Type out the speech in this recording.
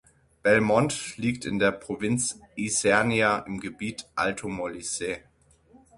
Belmonte liegt in der Provinz Isernia im Gebiet "Alto Molise".